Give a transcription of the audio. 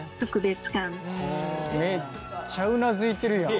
めっちゃうなずいてるやん。